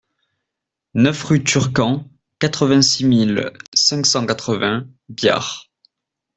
neuf rue Turquand, quatre-vingt-six mille cinq cent quatre-vingts Biard